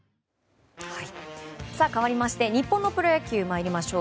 かわりまして日本のプロ野球参りましょう。